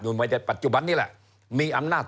หมดมาจากปัจจุบันนี่แหละมีอำนาจ